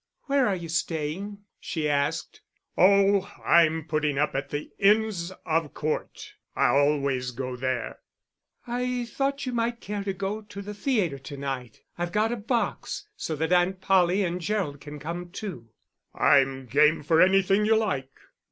"Where are you staying?" she asked. "Oh, I'm putting up at the Inns of Court I always go there." "I thought you might care to go to the theatre to night. I've got a box, so that Aunt Polly and Gerald can come too." "I'm game for anything you like."